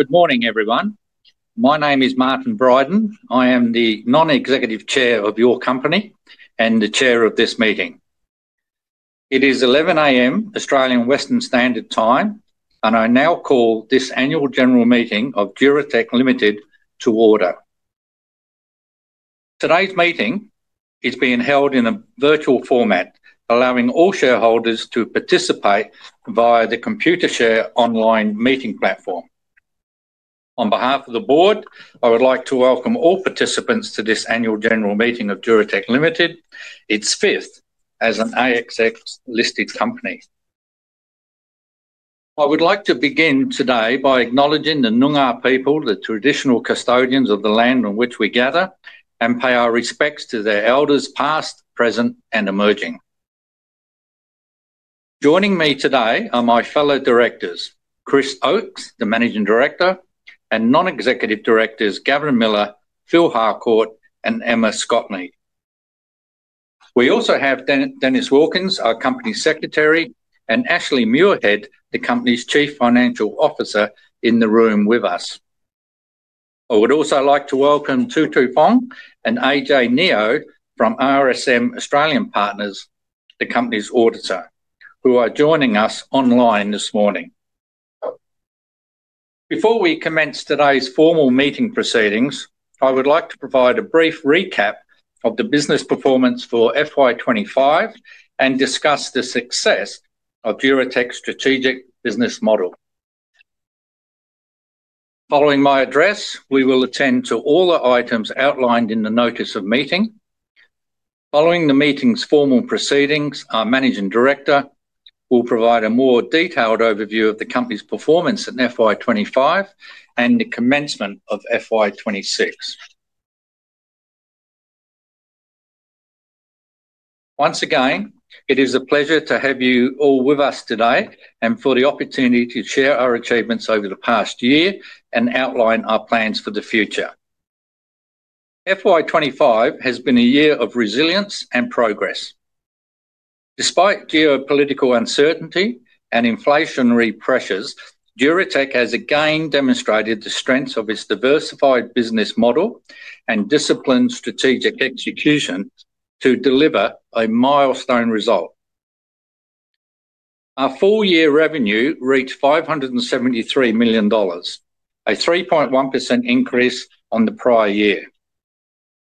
Good morning, everyone. My name is Martin Brydon. I am the Non-Executive Chair of your company and the Chair of this meeting. It is 11:00 A.M. Australian Western Standard Time, and I now call this annual general meeting of Duratec Limited to order. Today's meeting is being held in a virtual format, allowing all shareholders to participate via the Computershare online meeting platform. On behalf of the Board, I would like to welcome all participants to this annual general meeting of Duratec Limited. It's fifth as an ASX-listed company. I would like to begin today by acknowledging the Noongar people, the traditional custodians of the land on which we gather, and pay our respects to their elders past, present, and emerging. Joining me today are my fellow directors, Chris Oates, the Managing Director, and Non-Executive Directors Gavin Miller, Phil Harcourt, and Emma Scotney. We also have Dennis Wilkins, our Company Secretary, and Ashley Muirhead, the Company's Chief Financial Officer, in the room with us. I would also like to welcome Tutu Fong and AJ Neo from RSM Australia Partners, the Company's auditor, who are joining us online this morning. Before we commence today's formal meeting proceedings, I would like to provide a brief recap of the business performance for FY25 and discuss the success of Duratec's strategic business model. Following my address, we will attend to all the items outlined in the notice of meeting. Following the meeting's formal proceedings, our Managing Director will provide a more detailed overview of the Company's performance in FY25 and the commencement of FY26. Once again, it is a pleasure to have you all with us today and for the opportunity to share our achievements over the past year and outline our plans for the future. FY25 has been a year of resilience and progress. Despite geopolitical uncertainty and inflationary pressures, Duratec has again demonstrated the strength of its diversified business model and disciplined strategic execution to deliver a milestone result. Our full-year revenue reached 573 million dollars, a 3.1% increase on the prior year.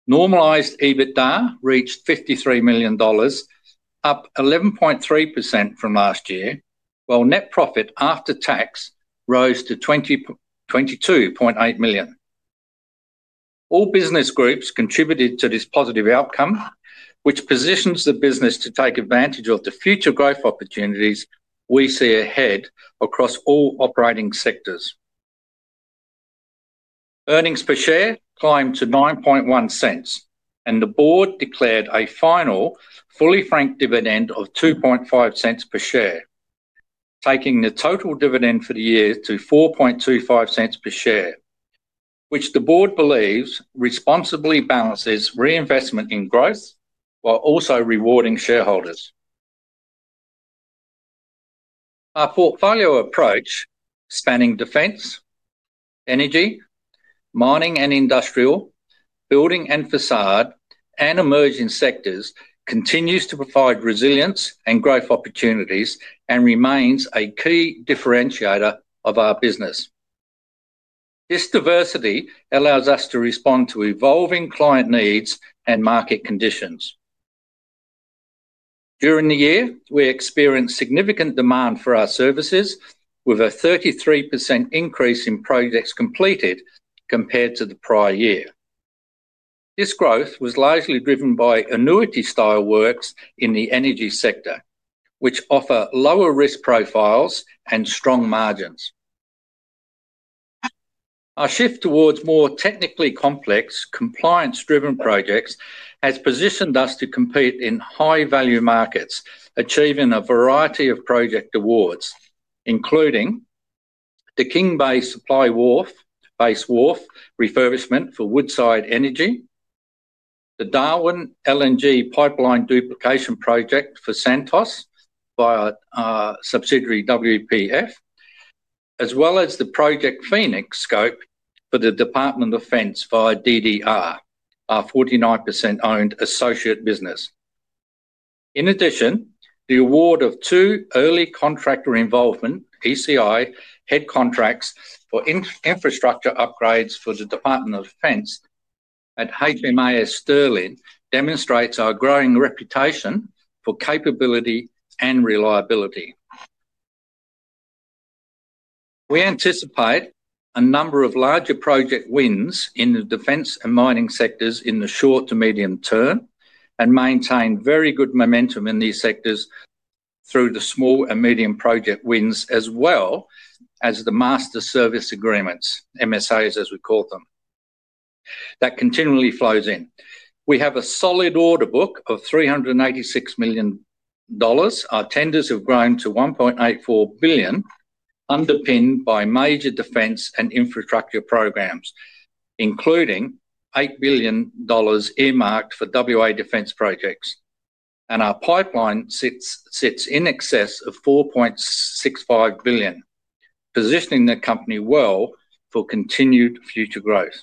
Normalized EBITDA reached 53 million dollars, up 11.3% from last year, while net profit after tax rose to 22.8 million. All business groups contributed to this positive outcome, which positions the business to take advantage of the future growth opportunities we see ahead across all operating sectors. Earnings per share climbed to 0.09, and the board declared a final fully franked dividend of 0.025 per share, taking the total dividend for the year to 0.045 per share, which the board believes responsibly balances reinvestment in growth while also rewarding shareholders. Our portfolio approach, spanning defence, energy, mining and industrial, building and facade, and emerging sectors, continues to provide resilience and growth opportunities and remains a key differentiator of our business. This diversity allows us to respond to evolving client needs and market conditions. During the year, we experienced significant demand for our services, with a 33% increase in projects completed compared to the prior year. This growth was largely driven by annuity-style works in the energy sector, which offer lower risk profiles and strong margins. Our shift towards more technically complex, compliance-driven projects has positioned us to compete in high-value markets, achieving a variety of project awards, including the King Bay Supply Wharf Refurbishment for Woodside Energy, the Darwin LNG Pipeline Duplication Project for Santos via subsidiary WPF, as well as the Project Phoenix scope for the Department of Defence via DDR, our 49% owned associate business. In addition, the award of two early contractor involvement ECI head contracts for infrastructure upgrades for the Department of Defence at HMAS Stirling demonstrates our growing reputation for capability and reliability. We anticipate a number of larger project wins in the defence and mining sectors in the short to medium term and maintain very good momentum in these sectors through the small and medium project wins, as well as the master service agreements, MSAs as we call them, that continually flows in. We have a solid order book of 386 million dollars. Our tenders have grown to 1.84 billion, underpinned by major defence and infrastructure programs, including 8 billion dollars earmarked for WA defence projects, and our pipeline sits in excess of 4.65 billion, positioning the company well for continued future growth.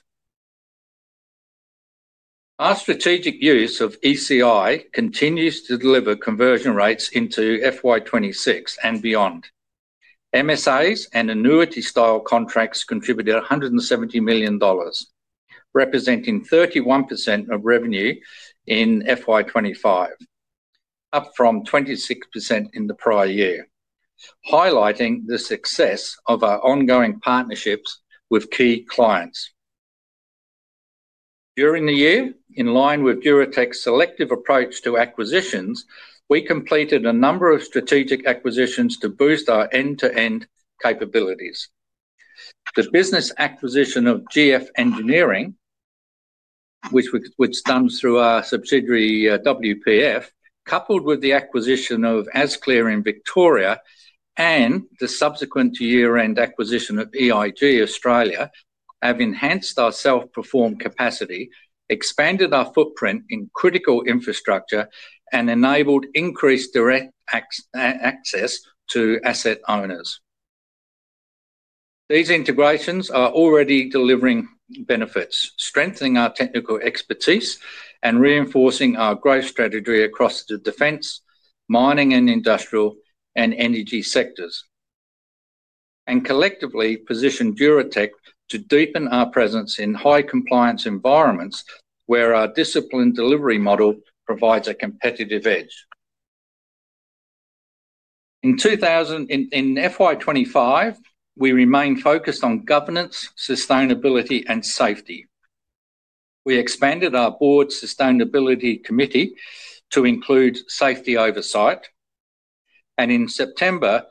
Our strategic use of ECI continues to deliver conversion rates into FY2026 and beyond. MSAs and annuity-style contracts contributed 170 million dollars, representing 31% of revenue in FY25, up from 26% in the prior year, highlighting the success of our ongoing partnerships with key clients. During the year, in line with Duratec's selective approach to acquisitions, we completed a number of strategic acquisitions to boost our end-to-end capabilities. The business acquisition of GF Engineering, which was done through our subsidiary WPF, coupled with the acquisition of Asclear in Victoria and the subsequent year-end acquisition of EIG Australia, have enhanced our self-performed capacity, expanded our footprint in critical infrastructure, and enabled increased direct access to asset owners. These integrations are already delivering benefits, strengthening our technical expertise and reinforcing our growth strategy across the defence, mining, and industrial and energy sectors, and collectively position Duratec to deepen our presence in high-compliance environments where our disciplined delivery model provides a competitive edge. In FY25, we remain focused on governance, sustainability, and safety. We expanded our board's sustainability committee to include safety oversight, and in September,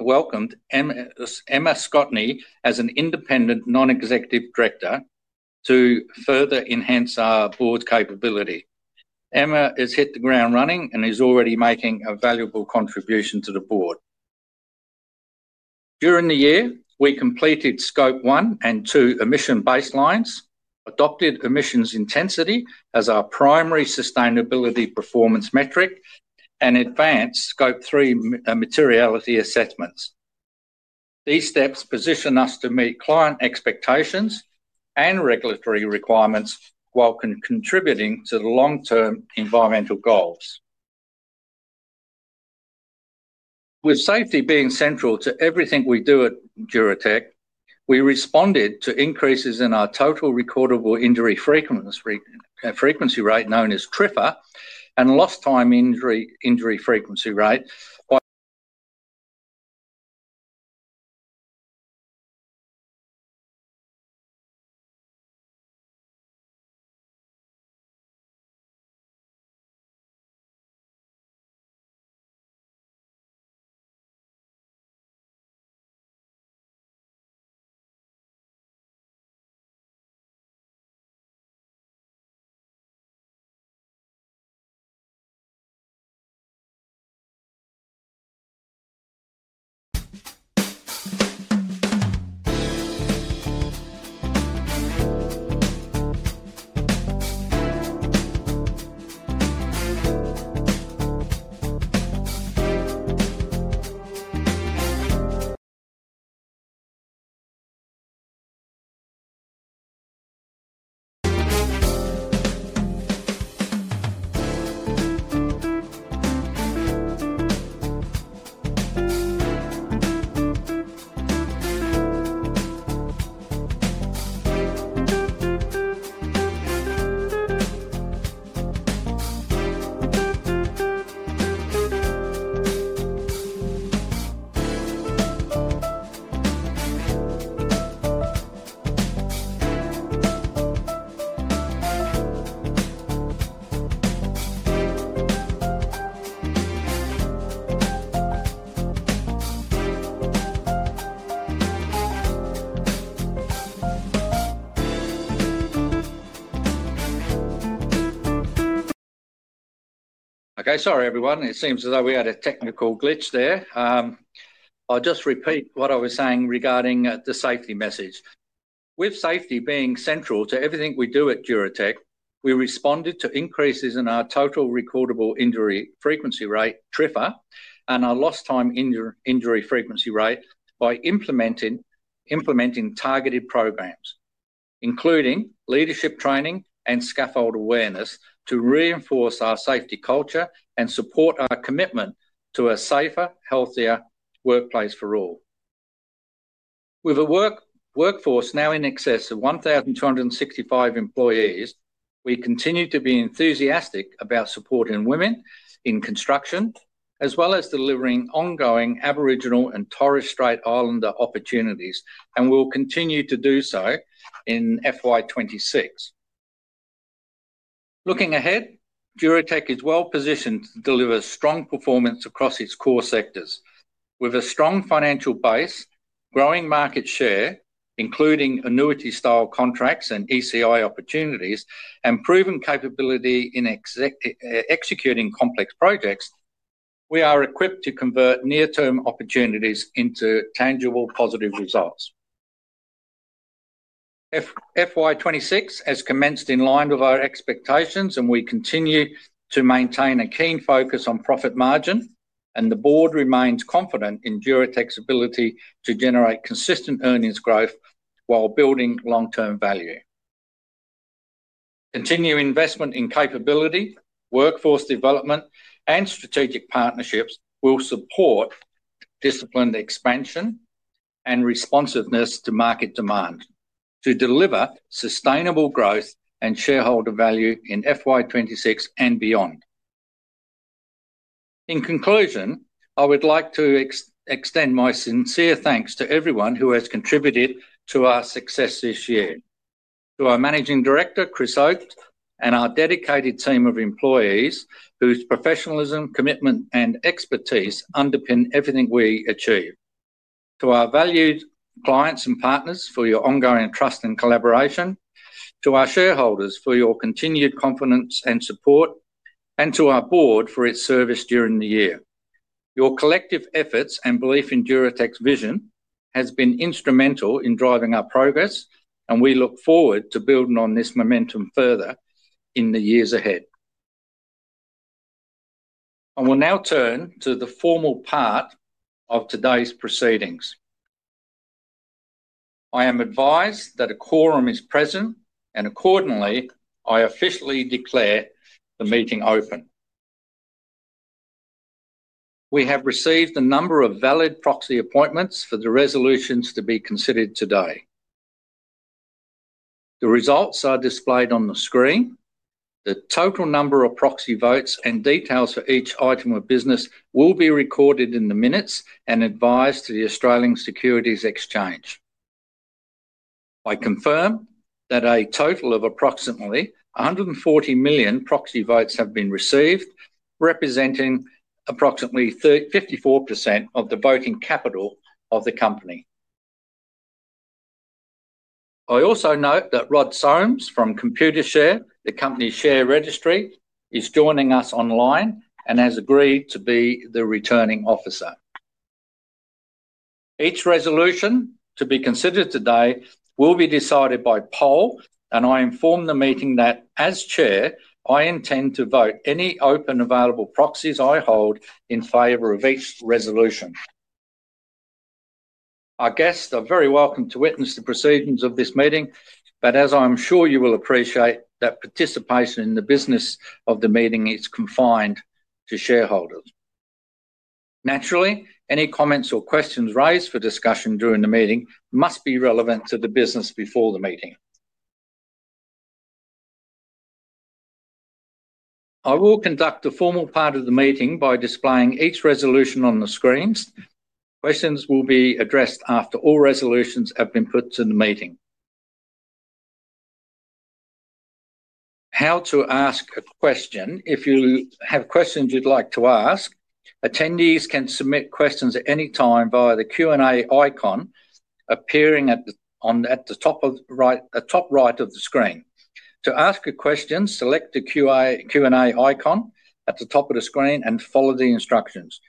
welcomed Emma Scottney as an independent non-executive director to further enhance our board's capability. Emma has hit the ground running and is already making a valuable contribution to the board. During the year, we completed Scope 1 and 2 emission baselines, adopted emissions intensity as our primary sustainability performance metric, and advanced Scope 3 materiality assessments. These steps position us to meet client expectations and regulatory requirements while contributing to the long-term environmental goals. With safety being central to everything we do at Duratec, we responded to increases in our total recordable injury frequency rate, known as TRIFR, and lost-time injury frequency rate. Okay, sorry, everyone. It seems as though we had a technical glitch there. I'll just repeat what I was saying regarding the safety message. With safety being central to everything we do at Duratec, we responded to increases in our total recordable injury frequency rate, TRIFR, and our lost-time injury frequency rate by implementing targeted programs, including leadership training and scaffold awareness to reinforce our safety culture and support our commitment to a safer, healthier workplace for all. With a workforce now in excess of 1,265 employees, we continue to be enthusiastic about supporting women in construction, as well as delivering ongoing Aboriginal and Torres Strait Islander opportunities, and we'll continue to do so in FY26. Looking ahead, Duratec is well positioned to deliver strong performance across its core sectors. With a strong financial base, growing market share, including annuity-style contracts and ECI opportunities, and proven capability in executing complex projects, we are equipped to convert near-term opportunities into tangible positive results. FY26 has commenced in line with our expectations, and we continue to maintain a keen focus on profit margin, and the board remains confident in Duratec's ability to generate consistent earnings growth while building long-term value. Continued investment in capability, workforce development, and strategic partnerships will support disciplined expansion and responsiveness to market demand to deliver sustainable growth and shareholder value in FY26 and beyond. In conclusion, I would like to extend my sincere thanks to everyone who has contributed to our success this year: to our Managing Director, Chris Oates, and our dedicated team of employees whose professionalism, commitment, and expertise underpin everything we achieve; to our valued clients and partners for your ongoing trust and collaboration; to our shareholders for your continued confidence and support; and to our board for its service during the year. Your collective efforts and belief in Duratec's vision have been instrumental in driving our progress, and we look forward to building on this momentum further in the years ahead. I will now turn to the formal part of today's proceedings. I am advised that a quorum is present, and accordingly, I officially declare the meeting open. We have received a number of valid proxy appointments for the resolutions to be considered today. The results are displayed on the screen. The total number of proxy votes and details for each item of business will be recorded in the minutes and advised to the Australian Securities Exchange. I confirm that a total of approximately 140 million proxy votes have been received, representing approximately 54% of the voting capital of the company. I also note that Rod Soames from ComputerShare, the company's share registry, is joining us online and has agreed to be the returning officer. Each resolution to be considered today will be decided by poll, and I inform the meeting that, as Chair, I intend to vote any open available proxies I hold in favor of each resolution. Our guests are very welcome to witness the proceedings of this meeting, but as I'm sure you will appreciate, that participation in the business of the meeting is confined to shareholders. Naturally, any comments or questions raised for discussion during the meeting must be relevant to the business before the meeting. I will conduct the formal part of the meeting by displaying each resolution on the screens. Questions will be addressed after all resolutions have been put to the meeting. How to ask a question: If you have questions you'd like to ask, attendees can submit questions at any time via the Q&A icon appearing at the top right of the screen. To ask a question, select the Q&A icon at the top of the screen and follow the instructions.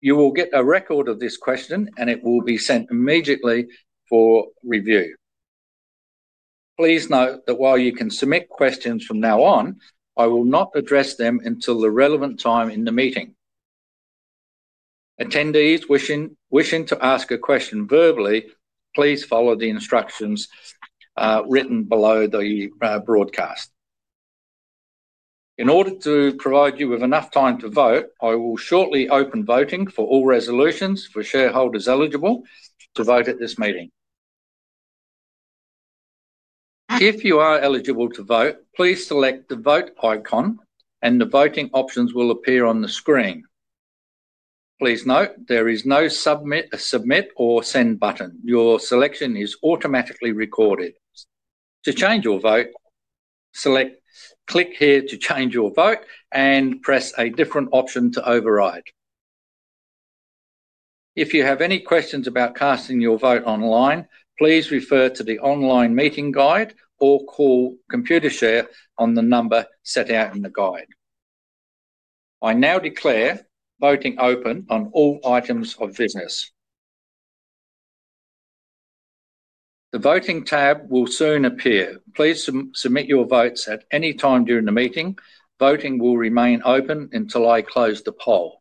You will get a record of this question, and it will be sent immediately for review. Please note that while you can submit questions from now on, I will not address them until the relevant time in the meeting. Attendees wishing to ask a question verbally, please follow the instructions written below the broadcast. In order to provide you with enough time to vote, I will shortly open voting for all resolutions for shareholders eligible to vote at this meeting. If you are eligible to vote, please select the vote icon, and the voting options will appear on the screen. Please note there is no submit or send button. Your selection is automatically recorded. To change your vote, click here to change your vote and press a different option to override. If you have any questions about casting your vote online, please refer to the online meeting guide or call ComputerShare on the number set out in the guide. I now declare voting open on all items of business. The voting tab will soon appear. Please submit your votes at any time during the meeting. Voting will remain open until I close the poll.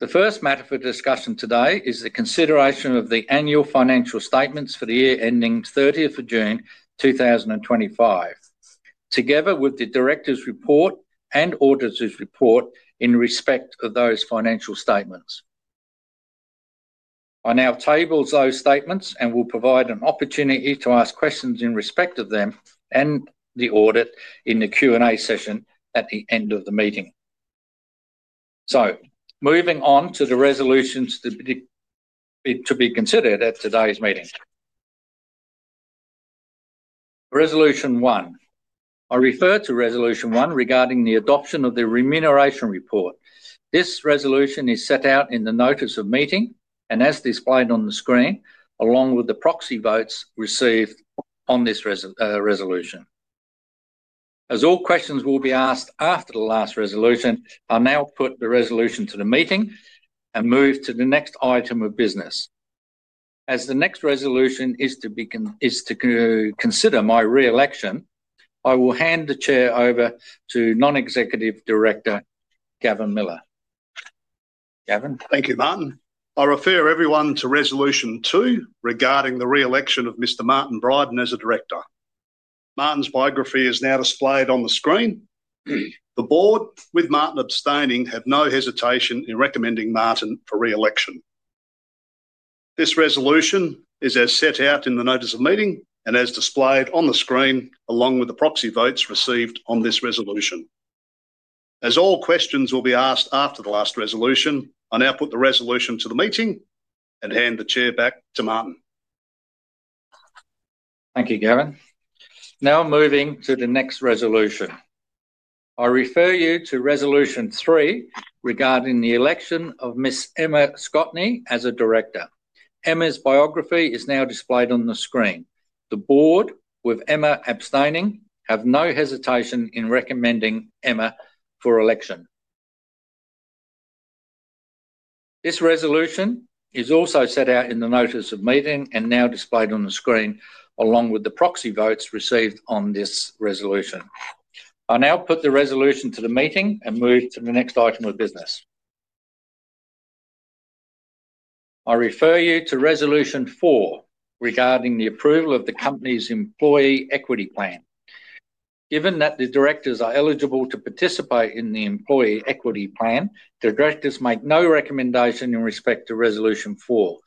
The first matter for discussion today is the consideration of the annual financial statements for the year ending 30th of June 2025, together with the director's report and auditor's report in respect of those financial statements. I now table those statements and will provide an opportunity to ask questions in respect of them and the audit in the Q&A session at the end of the meeting. Moving on to the resolutions to be considered at today's meeting. Resolution 1. I refer to Resolution 1 regarding the adoption of the remuneration report. This resolution is set out in the notice of meeting and as displayed on the screen, along with the proxy votes received on this resolution. As all questions will be asked after the last resolution, I'll now put the resolution to the meeting and move to the next item of business. As the next resolution is to consider my re-election, I will hand the chair over to Non-Executive Director Gavin Miller. Gavin? Thank you, Martin. I refer everyone to Resolution 2 regarding the re-election of Mr. Martin Brydon as a director. Martin's biography is now displayed on the screen. The board, with Martin abstaining, have no hesitation in recomMEnDing Martin for re-election. This resolution is as set out in the notice of meeting and as displayed on the screen, along with the proxy votes received on this resolution. As all questions will be asked after the last resolution, I now put the resolution to the meeting and hand the chair back to Martin. Thank you, Gavin. Now moving to the next resolution. I refer you to Resolution 3 regarding the election of Miss Emma Scotney as a director. Emma's biography is now displayed on the screen. The board, with Emma abstaining, have no hesitation in recomMEnDing Emma for election. This resolution is also set out in the notice of meeting and now displayed on the screen, along with the proxy votes received on this resolution. I now put the resolution to the meeting and move to the next item of business. I refer you to Resolution 4 regarding the approval of the company's employee equity plan. Given that the directors are eligible to participate in the employee equity plan, the directors make no recomMEnDation in respect to Resolution 4.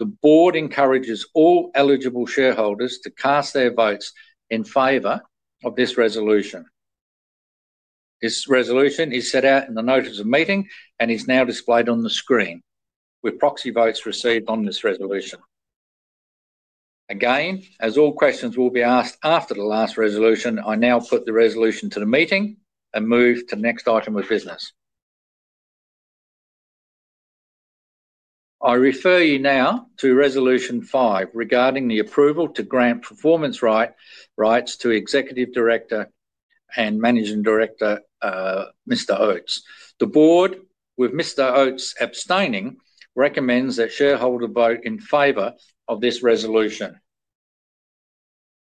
The board encourages all eligible shareholders to cast their votes in favor of this resolution. This resolution is set out in the notice of meeting and is now displayed on the screen, with proxy votes received on this resolution. Again, as all questions will be asked after the last resolution, I now put the resolution to the meeting and move to the next item of business. I refer you now to Resolution 5 regarding the approval to grant performance rights to Executive Director and Managing Director, Mr. Oates. The board, with Mr. Oates abstaining, recomMEnDs that shareholders vote in favor of this resolution.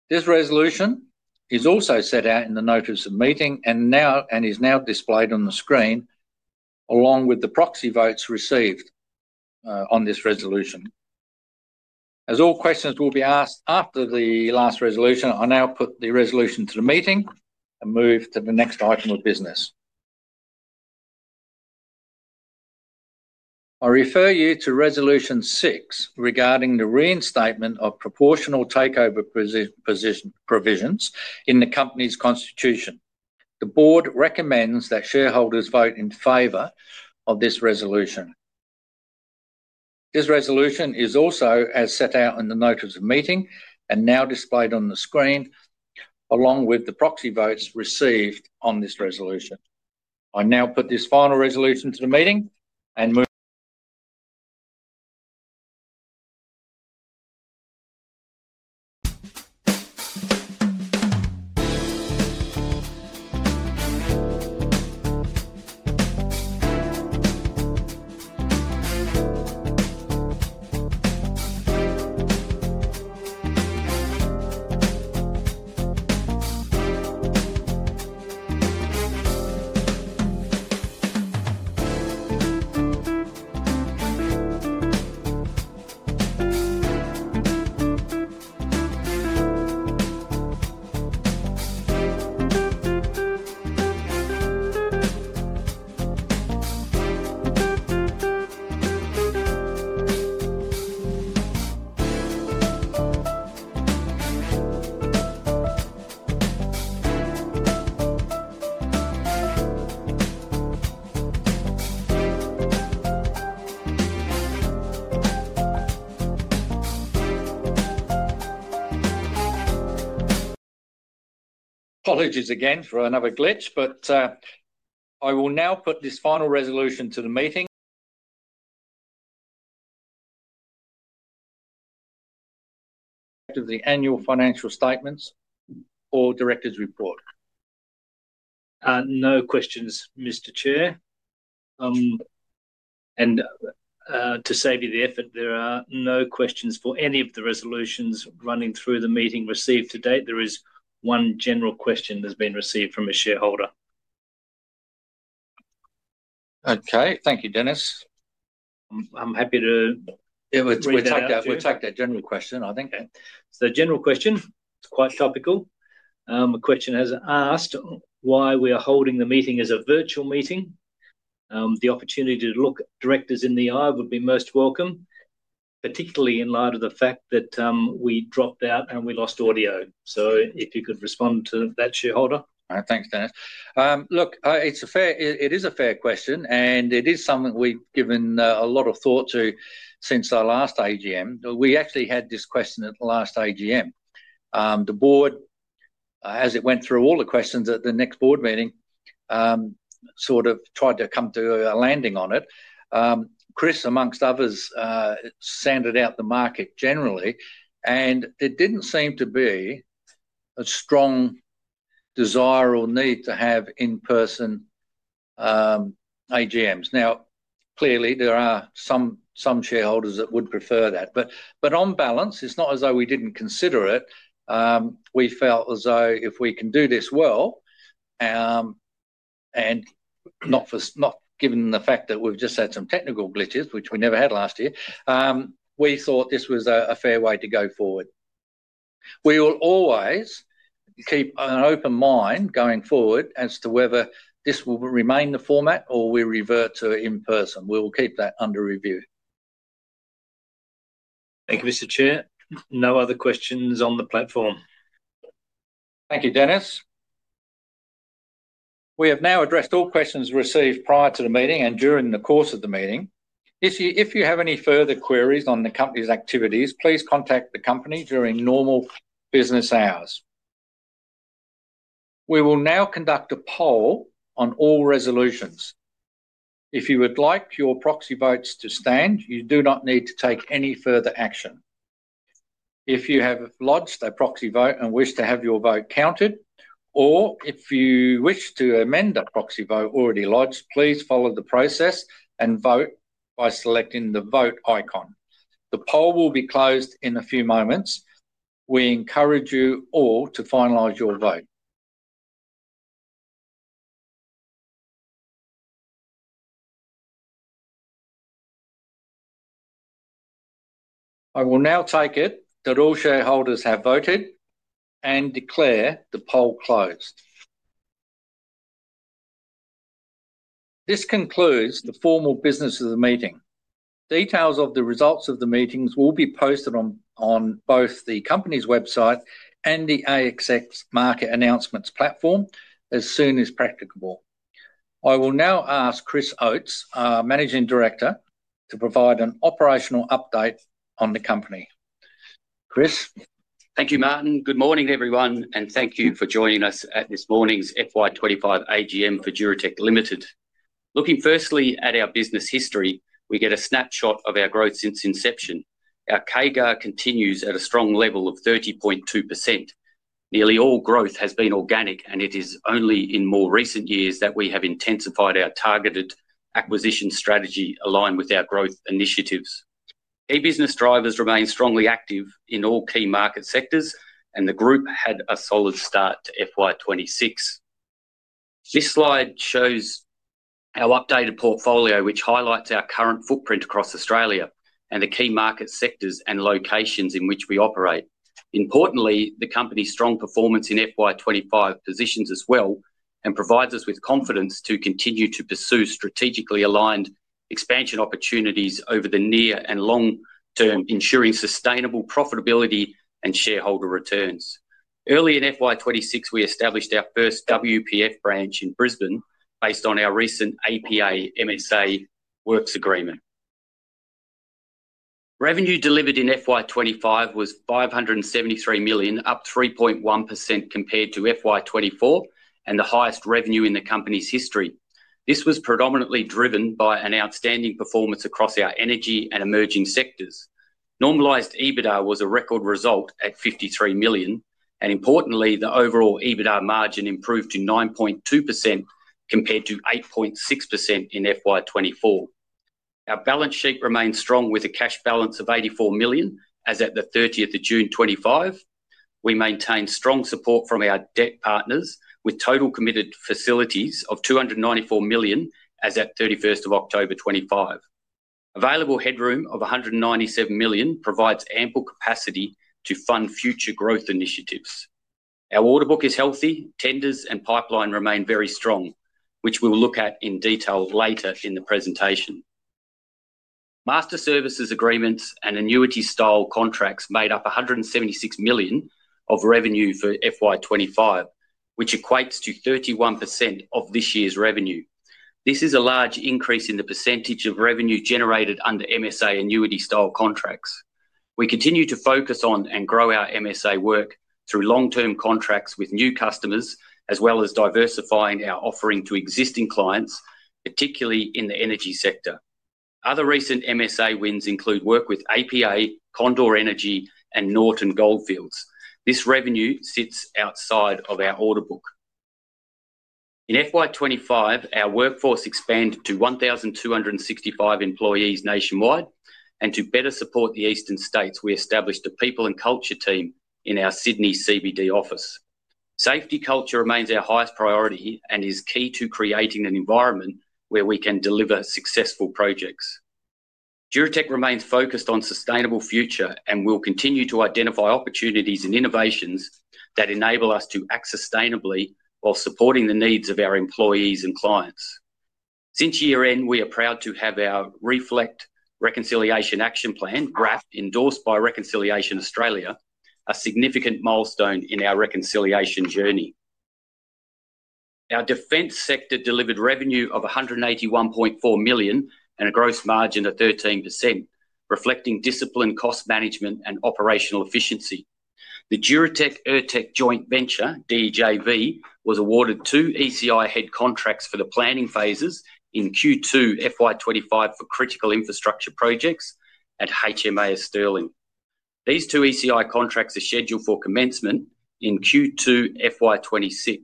This resolution is also set out in the notice of meeting and is now displayed on the screen, along with the proxy votes received on this resolution. As all questions will be asked after the last resolution, I now put the resolution to the meeting and move to the next item of business. I refer you to Resolution 6 regarding the reinstatement of proportional takeover provisions in the company's constitution. The board recomMEnDs that shareholders vote in favor of this resolution. This resolution is also as set out in the notice of meeting and now displayed on the screen, along with the proxy votes received on this resolution. I now put this final resolution to the meeting and move. Apologies again for another glitch, but I will now put this final resolution to the meeting of the annual financial statements or director's report. No questions, Mr. Chair. To save you the effort, there are no questions for any of the resolutions running through the meeting received to date. There is one general question that's been received from a shareholder. Okay. Thank you, Dennis. I'm happy to. We'll take that general question, I think. General question. It's quite topical. The question has asked why we are holding the meeting as a virtual meeting. The opportunity to look directors in the eye would be most welcome, particularly in light of the fact that we dropped out and we lost audio. If you could respond to that, shareholder. Thanks, Dennis. Look, it is a fair question, and it is something we've given a lot of thought to since our last AGM. We actually had this question at the last AGM. The board, as it went through all the questions at the next board meeting, sort of tried to come to a landing on it. Chris, amongst others, sounded out the market generally, and there didn't seem to be a strong desire or need to have in-person AGMs. Now, clearly, there are some shareholders that would prefer that. On balance, it's not as though we didn't consider it. We felt as though if we can do this well, and not given the fact that we've just had some technical glitches, which we never had last year, we thought this was a fair way to go forward. We will always keep an open mind going forward as to whether this will remain the format or we revert to in-person. We will keep that under review. Thank you, Mr. Chair. No other questions on the platform. Thank you, Dennis. We have now addressed all questions received prior to the meeting and during the course of the meeting. If you have any further queries on the company's activities, please contact the company during normal business hours. We will now conduct a poll on all resolutions. If you would like your proxy votes to stand, you do not need to take any further action. If you have lodged a proxy vote and wish to have your vote counted, or if you wish to aMEnD a proxy vote already lodged, please follow the process and vote by selecting the vote icon. The poll will be closed in a few moments. We encourage you all to finalize your vote. I will now take it that all shareholders have voted and declare the poll closed. This concludes the formal business of the meeting. Details of the results of the meeting will be posted on both the company's website and the ASX market announcements platform as soon as practicable. I will now ask Chris Oates, our Managing Director, to provide an operational update on the company. Chris. Thank you, Martin. Good morning, everyone, and thank you for joining us at this morning's FY25 AGM for Duratec Limited. Looking firstly at our business history, we get a snapshot of our growth since inception. Our CAGR continues at a strong level of 30.2%. Nearly all growth has been organic, and it is only in more recent years that we have intensified our targeted acquisition strategy aligned with our growth initiatives. Key business drivers remain strongly active in all key market sectors, and the group had a solid start to FY 2026. This slide shows our updated portfolio, which highlights our current footprint across Australia and the key market sectors and locations in which we operate. Importantly, the company's strong performance in FY 2025 positions us well and provides us with confidence to continue to pursue strategically aligned expansion opportunities over the near and long term, ensuring sustainable profitability and shareholder returns. Early in FY 2026, we established our first WPF branch in Brisbane based on our recent APA-MSA works agreement. Revenue delivered in FY 2025 was 573 million, up 3.1% compared to FY 2024 and the highest revenue in the company's history. This was predominantly driven by an outstanding performance across our energy and emerging sectors. Normalised EBITDA was a record result at 53 million, and importantly, the overall EBITDA margin improved to 9.2% compared to 8.6% in FY 2024. Our balance sheet remains strong with a cash balance of 84 million as at the 30th of June 2025. We maintain strong support from our debt partners, with total committed facilities of 294 million as at 31st of October 2025. Available headroom of 197 million provides ample capacity to fund future growth initiatives. Our order book is healthy. Tenders and pipeline remain very strong, which we will look at in detail later in the presentation. Master services agreements and annuity-style contracts made up 176 million of revenue for FY 2025, which equates to 31% of this year's revenue. This is a large increase in the percentage of revenue generated under MSA annuity-style contracts. We continue to focus on and grow our MSA work through long-term contracts with new customers, as well as diversifying our offering to existing clients, particularly in the energy sector. Other recent MSA wins include work with APA, Condor Energy, and Norton Goldfields. This revenue sits outside of our order book. In FY 2025, our workforce expanded to 1,265 employees nationwide, and to better support the eastern states, we established a people and culture team in our Sydney CBD office. Safety culture remains our highest priority and is key to creating an environment where we can deliver successful projects. Duratec remains focused on a sustainable future and will continue to identify opportunities and innovations that enable us to act sustainably while supporting the needs of our employees and clients. Since year-end, we are proud to have our REFLECT Reconciliation Action Plan, RAP, endorsed by Reconciliation Australia, a significant milestone in our reconciliation journey. Our defence sector delivered revenue of 181.4 million and a gross margin of 13%, reflecting discipline, cost management, and operational efficiency. The Duratec-Urtec joint venture, DJV, was awarded two ECI head contracts for the planning phases in Q2 FY25 for critical infrastructure projects at HMAS Stirling. These two ECI contracts are scheduled for commencement in Q2 FY26.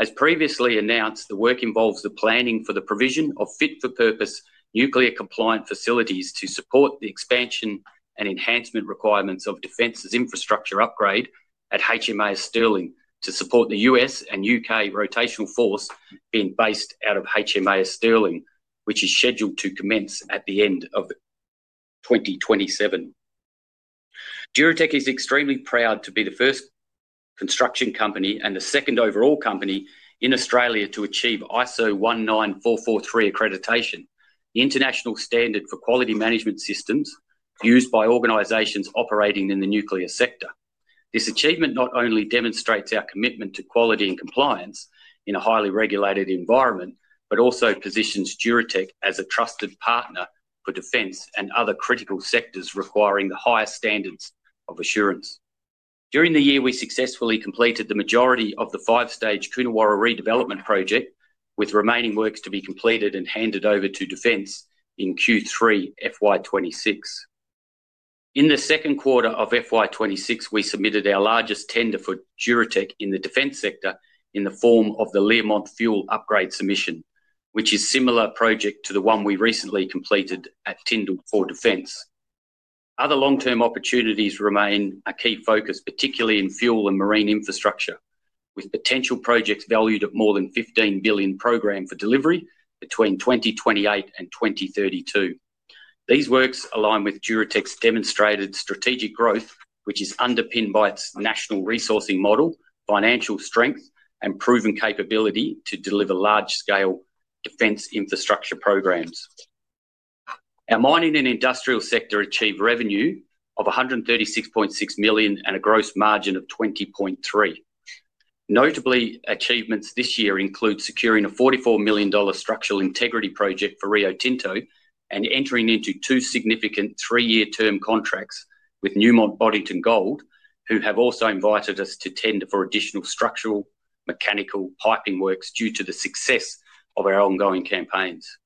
As previously announced, the work involves the planning for the provision of fit-for-purpose nuclear-compliant facilities to support the expansion and enhancement requirements of Defence's infrastructure upgrade at HMAS Stirling, to support the U.S. and U.K. rotational force being based out of HMAS Stirling, which is scheduled to commence at the end of 2027. Duratec is extremely proud to be the first construction company and the second overall company in Australia to achieve ISO 19443 accreditation, the international standard for quality management systems used by organizations operating in the nuclear sector. This achievement not only demonstrates our commitment to quality and compliance in a highly regulated environment, but also positions Duratec as a trusted partner for defence and other critical sectors requiring the highest standards of assurance. During the year, we successfully completed the majority of the five-stage Kununurra redevelopment project, with remaining works to be completed and handed over to Defence in Q3 FY26. In the second quarter of FY26, we submitted our largest tender for Duratec in the defence sector in the form of the Learmonth Fuel Upgrade submission, which is a similar project to the one we recently completed at Tindal for Defence. Other long-term opportunities remain a key focus, particularly in fuel and marine infrastructure, with potential projects valued at more than 15 billion programmed for delivery between 2028 and 2032. These works align with Duratec's demonstrated strategic growth, which is underpinned by its national resourcing model, financial strength, and proven capability to deliver large-scale defence infrastructure programs. Our mining and industrial sector achieved revenue of 136.6 million and a gross margin of 20.3 million. Notably, achievements this year include securing an 44 million dollar structural integrity project for Rio Tinto and entering into two significant three-year-term contracts with Newmont Boddington Gold, who have also invited us to tender for additional structural mechanical piping works due to the success of our ongoing campaigns.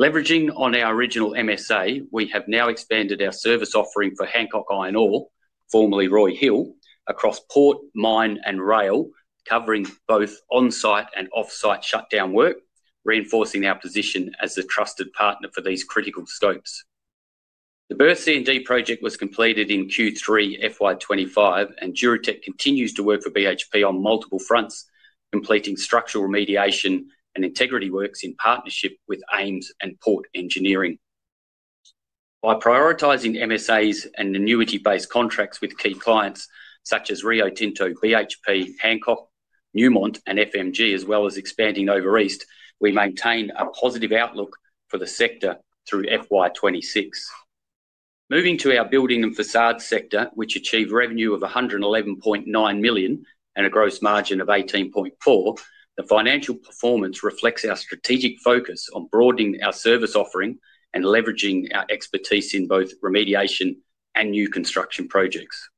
Leveraging on our original MSA, we have now expanded our service offering for Hancock Iron Ore, formerly Roy Hill, across port, mine, and rail, covering both on-site and off-site shutdown work, reinforcing our position as a trusted partner for these critical scopes. The Berth C&D project was completed in Q3 FY2025, and Duratec continues to work for BHP on multiple fronts, completing structural remediation and integrity works in partnership with Ames and Port Engineering. By prioritizing MSAs and annuity-based contracts with key clients such as Rio Tinto, BHP, Hancock, Newmont, and FMG, as well as expanding over east, we maintain a positive outlook for the sector through FY2026. Moving to our building and facade sector, which achieved revenue of 111.9 million and a gross margin of 18.4 million, the financial performance reflects our strategic focus on broadening our service offering and leveraging our expertise in both remediation and new construction projects.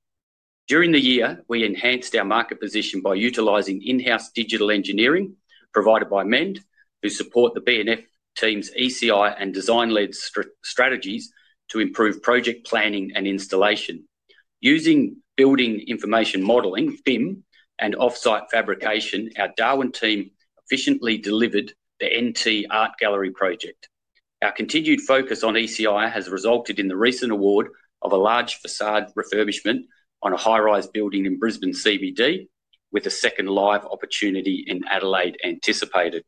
During the year, we enhanced our market position by utilizing in-house digital engineering provided by MEnD, who support the BNF team's ECI and design-led strategies to improve project planning and installation. Using building information modeling (BIM) and off-site fabrication, our Darwin team efficiently delivered the NT Art Gallery project. Our continued focus on ECI has resulted in the recent award of a large facade refurbishment on a high-rise building in Brisbane CBD, with a second live opportunity in Adelaide anticipated.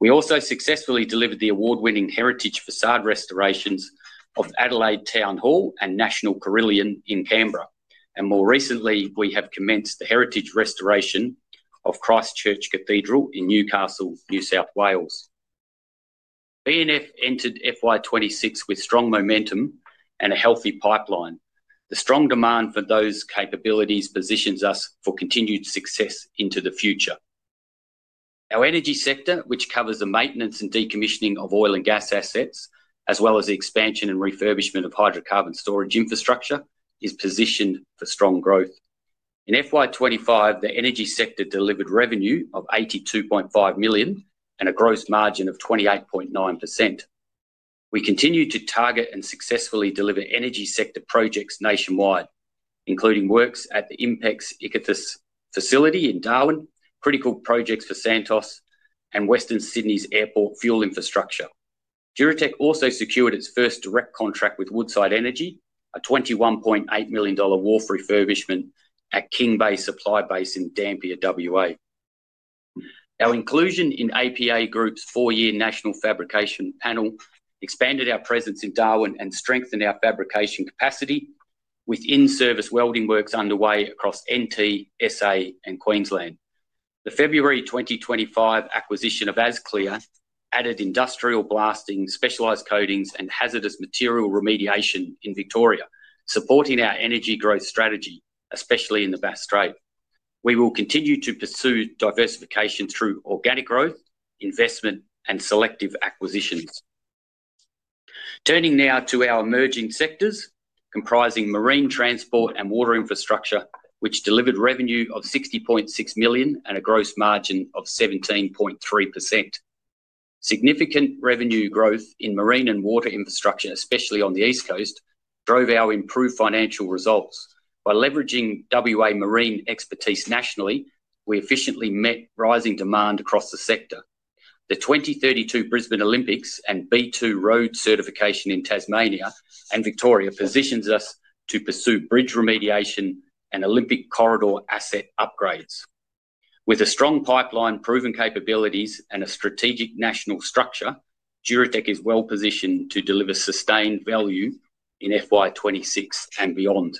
We also successfully delivered the award-winning heritage facade restorations of Adelaide Town Hall and National Carillon in Canberra. More recently, we have commenced the heritage restoration of Christ Church Cathedral in Newcastle, New South Wales. BNF entered FY2026 with strong momentum and a healthy pipeline. The strong demand for those capabilities positions us for continued success into the future. Our energy sector, which covers the maintenance and decommissioning of oil and gas assets, as well as the expansion and refurbishment of hydrocarbon storage infrastructure, is positioned for strong growth. In FY2025, the energy sector delivered revenue of 82.5 million and a gross margin of 28.9%. We continue to target and successfully deliver energy sector projects nationwide, including works at the INPEX Ichthys facility in Darwin, critical projects for Santos, and Western Sydney airport fuel infrastructure. Duratec also secured its first direct contract with Woodside Energy, an 21.8 million dollar worth refurbishment at King Bay Supply Base in Dampier, Western Australia. Our inclusion in APA Group's four-year national fabrication panel expanded our presence in Darwin and strengthened our fabrication capacity, with in-service welding works underway across NT, SA, and Queensland. The February 2025 acquisition of Asclear added industrial blasting, specialized coatings, and hazardous material remediation in Victoria, supporting our energy growth strategy, especially in the Bass Strait. We will continue to pursue diversification through organic growth, investment, and selective acquisitions. Turning now to our emerging sectors, comprising marine transport and water infrastructure, which delivered revenue of 60.6 million and a gross margin of 17.3%. Significant revenue growth in marine and water infrastructure, especially on the East Coast, drove our improved financial results. By leveraging WA marine expertise nationally, we efficiently met rising demand across the sector. The 2032 Brisbane Olympics and B2 Road certification in Tasmania and Victoria positions us to pursue bridge remediation and Olympic corridor asset upgrades. With a strong pipeline, proven capabilities, and a strategic national structure, Duratec is well positioned to deliver sustained value in FY26 and beyond.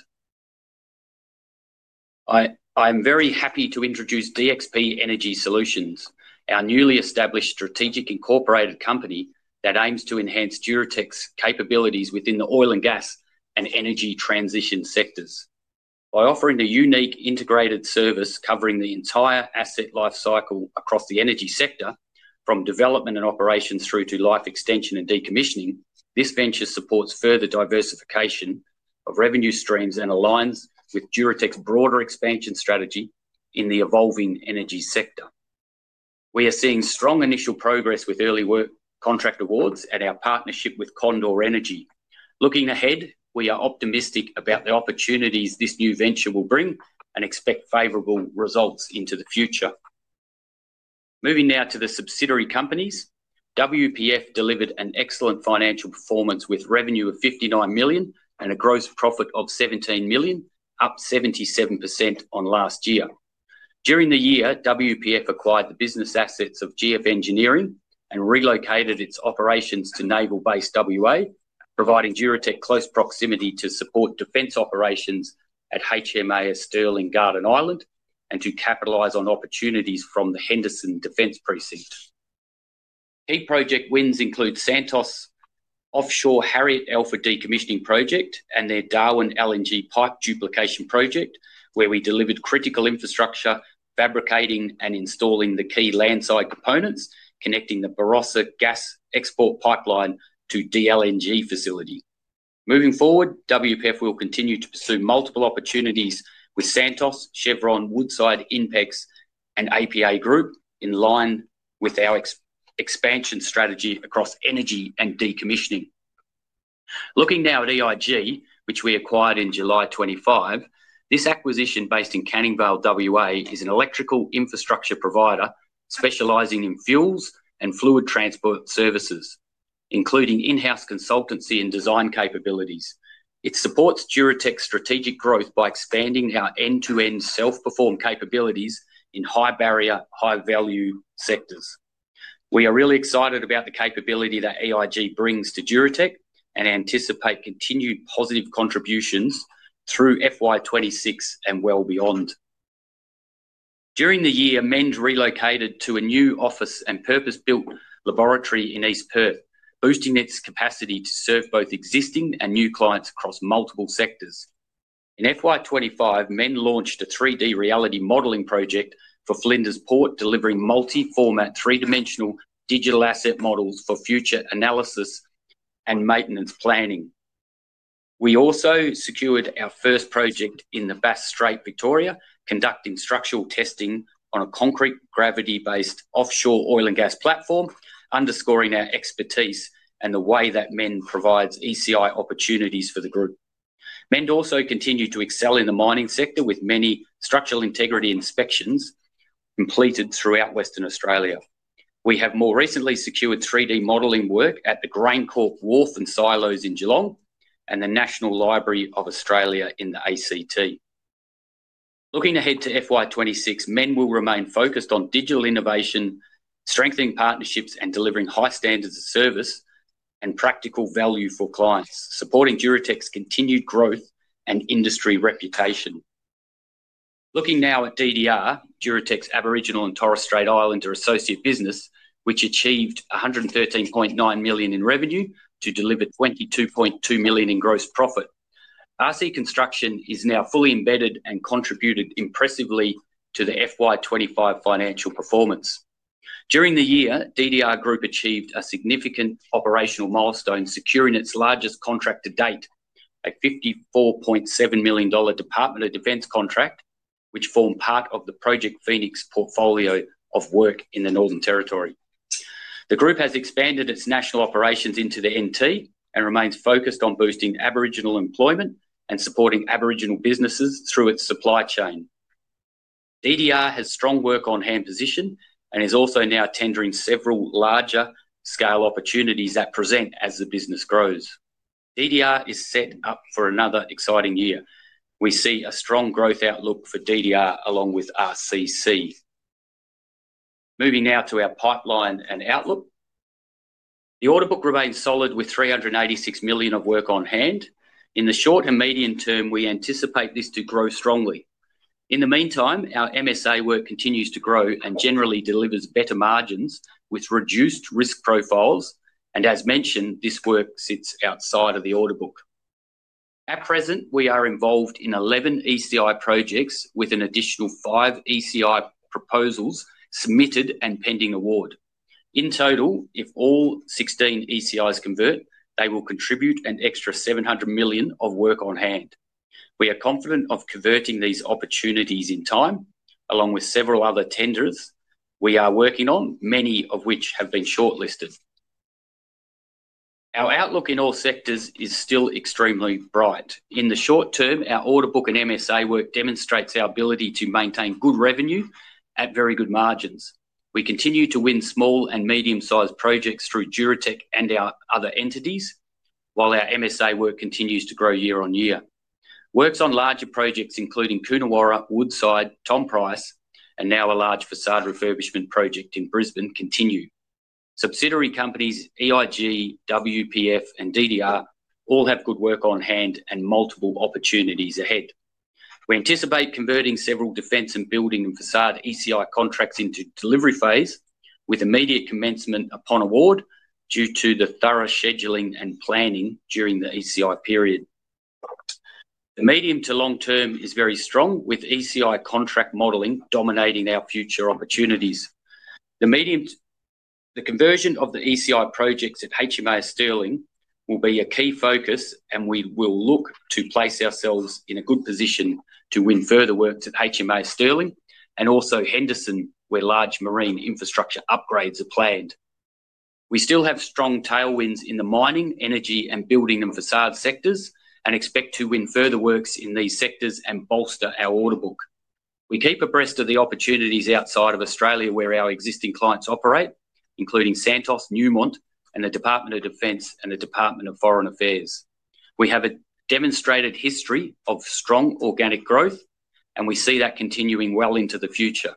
I am very happy to introduce DXP Energy Solutions, our newly established strategic incorporated company that aims to enhance Duratec's capabilities within the oil and gas and energy transition sectors. By offering a unique integrated service covering the entire asset life cycle across the energy sector, from development and operations through to life extension and decommissioning, this venture supports further diversification of revenue streams and aligns with Duratec's broader expansion strategy in the evolving energy sector. We are seeing strong initial progress with early work contract awards and our partnership with Condor Energy. Looking ahead, we are optimistic about the opportunities this new venture will bring and expect favorable results into the future. Moving now to the subsidiary companies, WPF delivered an excellent financial performance with revenue of 59 million and a gross profit of 17 million, up 77% on last year. During the year, WPF acquired the business assets of GF Engineering and relocated its operations to Naval Base Western Australia, providing Duratec close proximity to support defence operations at HMAS Stirling Garden Island and to capitalize on opportunities from the Henderson Defence Precinct. Key project wins include Santos' offshore Harriet Alpha decommissioning project and their Darwin LNG pipe duplication project, where we delivered critical infrastructure, fabricating, and installing the key landside components connecting the Barossa gas export pipeline to the DLNG facility. Moving forward, WPF will continue to pursue multiple opportunities with Santos, Chevron, Woodside, INPEX, and APA Group, in line with our expansion strategy across energy and decommissioning. Looking now at EIG, which we acquired in July 2025, this acquisition based in Canningvale, WA, is an electrical infrastructure provider specializing in fuels and fluid transport services, including in-house consultancy and design capabilities. It supports Duratec's strategic growth by expanding our end-to-end self-perform capabilities in high-barrier, high-value sectors. We are really excited about the capability that EIG brings to Duratec and anticipate continued positive contributions through FY26 and well beyond. During the year, MEnD relocated to a new office and purpose-built laboratory in East Perth, boosting its capacity to serve both existing and new clients across multiple sectors. In FY25, MEnD launched a 3D reality modeling project for Flinders Port, delivering multi-format three-dimensional digital asset models for future analysis and maintenance planning. We also secured our first project in the Bass Strait, Victoria, conducting structural testing on a concrete gravity-based offshore oil and gas platform, underscoring our expertise and the way that MEnD provides ECI opportunities for the group. MEnD also continued to excel in the mining sector with many structural integrity inspections completed throughout Western Australia. We have more recently secured 3D modeling work at the Graincorp Wharf and Silos in Geelong and the National Library of Australia in the ACT. Looking ahead to FY26, MEnD will remain focused on digital innovation, strengthening partnerships and delivering high standards of service and practical value for clients, supporting Duratec's continued growth and industry reputation. Looking now at DDR, Duratec's Aboriginal and Torres Strait Islander associate business, which achieved 113.9 million in revenue to deliver 22.2 million in gross profit. RC Construction is now fully embedded and contributed impressively to the FY25 financial performance. During the year, DDR Group achieved a significant operational milestone securing its largest contract to date, a 54.7 million dollar Department of Defence contract, which formed part of the Project Phoenix portfolio of work in the Northern Territory. The group has expanded its national operations into the NT and remains focused on boosting Aboriginal employment and supporting Aboriginal businesses through its supply chain. DDR has strong work on hand position and is also now tendering several larger scale opportunities that present as the business grows. DDR is set up for another exciting year. We see a strong growth outlook for DDR along with RCC. Moving now to our pipeline and outlook. The order book remains solid with 386 million of work on hand. In the short and medium term, we anticipate this to grow strongly. In the meantime, our MSA work continues to grow and generally delivers better margins with reduced risk profiles. As mentioned, this work sits outside of the order book. At present, we are involved in 11 ECI projects with an additional five ECI proposals submitted and pending award. In total, if all 16 ECIs convert, they will contribute an extra 700 million of work on hand. We are confident of converting these opportunities in time, along with several other tenders we are working on, many of which have been shortlisted. Our outlook in all sectors is still extremely bright. In the short term, our order book and MSA work demonstrates our ability to maintain good revenue at very good margins. We continue to win small and medium-sized projects through Duratec and our other entities, while our MSA work continues to grow year on year. Works on larger projects, including Kununurra, Woodside, Tom Price, and now a large facade refurbishment project in Brisbane, continue. Subsidiary companies EIG, WPF, and DDR all have good work on hand and multiple opportunities ahead. We anticipate converting several defence and building and facade ECI contracts into delivery phase with immediate commencement upon award due to the thorough scheduling and planning during the ECI period. The medium to long term is very strong, with ECI contract modelling dominating our future opportunities. The conversion of the ECI projects at HMAS Stirling will be a key focus, and we will look to place ourselves in a good position to win further works at HMAS Stirling and also Henderson, where large marine infrastructure upgrades are planned. We still have strong tailwinds in the mining, energy, and building and facade sectors and expect to win further works in these sectors and bolster our order book. We keep abreast of the opportunities outside of Australia where our existing clients operate, including Santos, Newmont, and the Department of Defence and the Department of Foreign Affairs. We have a demonstrated history of strong organic growth, and we see that continuing well into the future.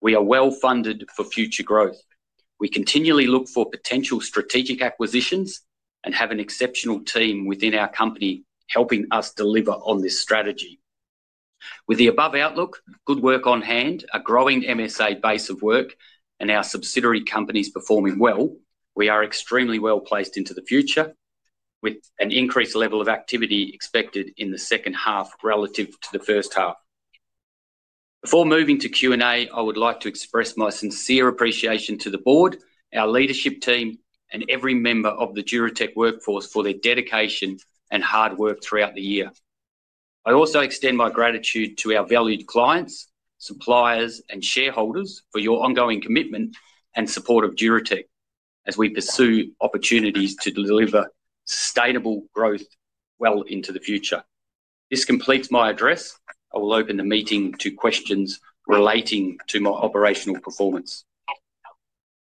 We are well funded for future growth. We continually look for potential strategic acquisitions and have an exceptional team within our company helping us deliver on this strategy. With the above outlook, good work on hand, a growing MSA base of work, and our subsidiary companies performing well, we are extremely well placed into the future with an increased level of activity expected in the second half relative to the first half. Before moving to Q&A, I would like to express my sincere appreciation to the board, our leadership team, and every member of the Duratec workforce for their dedication and hard work throughout the year. I also extend my gratitude to our valued clients, suppliers, and shareholders for your ongoing commitment and support of Duratec as we pursue opportunities to deliver sustainable growth well into the future. This completes my address. I will open the meeting to questions relating to my operational performance.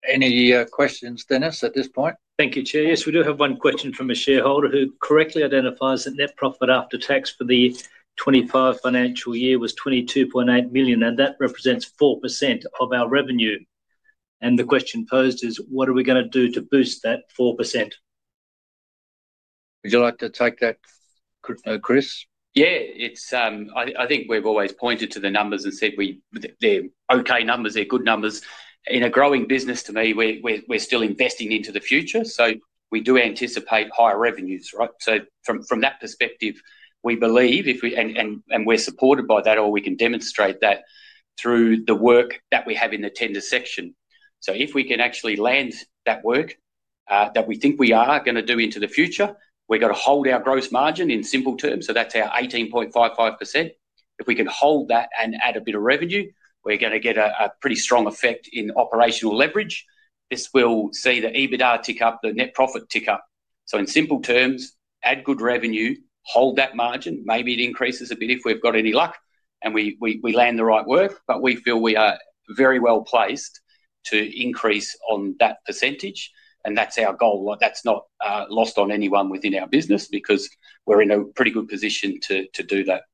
Any questions, Dennis, at this point? Thank you, Chair. Yes, we do have one question from a shareholder who correctly identifies that net profit after tax for the 2025 financial year was 22.8 million, and that represents 4% of our revenue. The question posed is, what are we going to do to boost that 4%? Would you like to take that, Chris? Yeah, I think we've always pointed to the numbers and said they're okay numbers, they're good numbers. In a growing business, to me, we're still investing into the future, so we do anticipate higher revenues, right? From that perspective, we believe if we—and we're supported by that, or we can demonstrate that through the work that we have in the tender section. If we can actually land that work that we think we are going to do into the future, we're going to hold our gross margin in simple terms, so that's our 18.55%. If we can hold that and add a bit of revenue, we're going to get a pretty strong effect in operational leverage. This will see the EBITDA tick up, the net profit tick up. In simple terms, add good revenue, hold that margin, maybe it increases a bit if we've got any luck and we land the right work, but we feel we are very well placed to increase on that percentage, and that's our goal. That's not lost on anyone within our business because we're in a pretty good position to do that.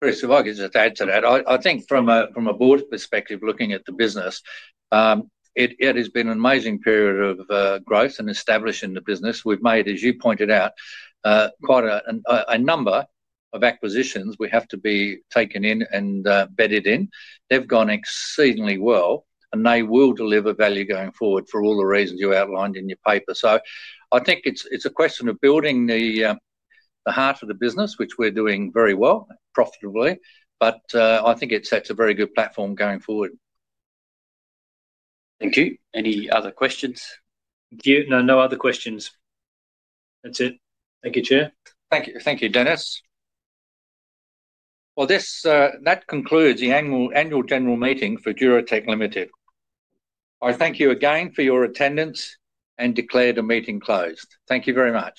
Chris, if I could just add to that, I think from a board perspective, looking at the business, it has been an amazing period of growth and establishing the business. We've made, as you pointed out, quite a number of acquisitions we have to be taken in and bedded in. They've gone exceedingly well, and they will deliver value going forward for all the reasons you outlined in your paper. I think it's a question of building the heart of the business, which we're doing very well, profitably, but I think it sets a very good platform going forward. Thank you. Any other questions? Thank you. No, no other questions. That's it. Thank you, Chair. Thank you, Dennis. That concludes the annual general meeting for Duratec Limited. I thank you again for your attendance and declare the meeting closed. Thank you very much.